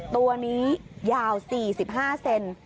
ตัวนี้ยาว๔๕เซน